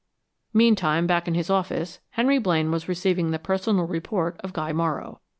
Meantime, back in his office, Henry Blaine was receiving the personal report of Guy Morrow.